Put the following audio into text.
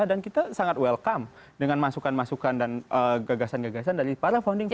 dan kita sangat welcome dengan masukan masukan dan gagasan gagasan dari para founding founders kita